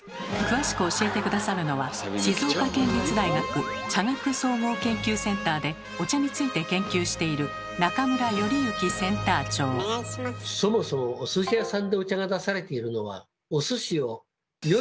詳しく教えて下さるのは静岡県立大学茶学総合研究センターでお茶について研究しているそもそもお寿司屋さんでお茶が出されているのはお寿司をよりおいしく食べるためなんですよ。